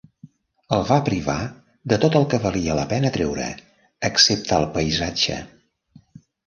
El va privar de tot el que valia la pena treure, excepte el paisatge.